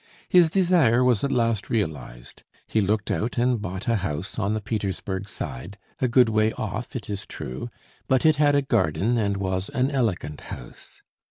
His desire was at last realised: he looked out and bought a house on the Petersburg Side, a good way off, it is true, but it had a garden and was an elegant house.